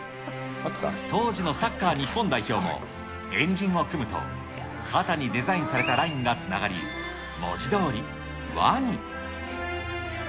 当時のサッカー日本代表も、円陣を組むと、肩にデザインされたラインがつながり、文字どおり輪に。